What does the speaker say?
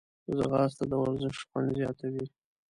ځغاسته د ورزش خوند زیاتوي